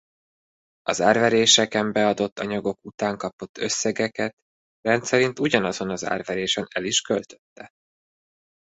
Az árveréseken beadott anyagok után kapott összegeket rendszerint ugyanazon az árverésen el is költötte.